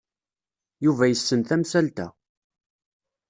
Yuba yessen tamsalt-a.